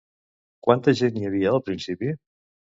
Quanta gent hi havia al principi?